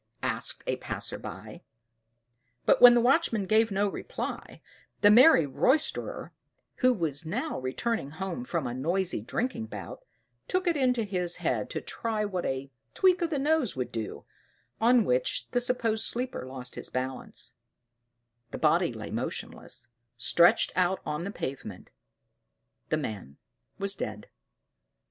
asked a passer by. But when the watchman gave no reply, the merry roysterer, who was now returning home from a noisy drinking bout, took it into his head to try what a tweak of the nose would do, on which the supposed sleeper lost his balance, the body lay motionless, stretched out on the pavement: the man was dead.